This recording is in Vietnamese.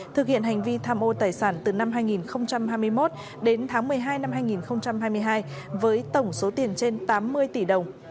thực hiện hành vi tham ô tài sản từ năm hai nghìn hai mươi một đến tháng một mươi hai năm hai nghìn hai mươi hai với tổng số tiền trên tám mươi tỷ đồng